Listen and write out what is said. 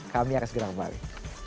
kami akan segera kembali